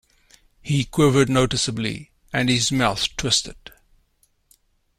He quivered noticeably, and his mouth twisted.